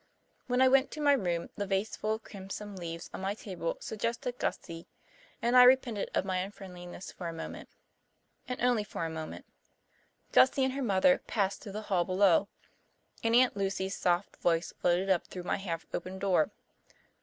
When I went to my room the vase full of crimson leaves on my table suggested Gussie, and I repented of my unfriendliness for a moment and only for a moment. Gussie and her mother passed through the hall below, and Aunt Lucy's soft voice floated up through my half open door.